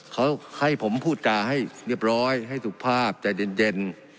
เขาให้ผมพูดจาให้เรียบร้อยให้สุภาพใจเย็น